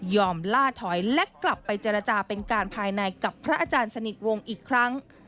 ล่าถอยและกลับไปเจรจาเป็นการภายในกับพระอาจารย์สนิทวงศ์อีกครั้ง